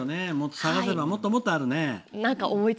探せばもっともっとあるね。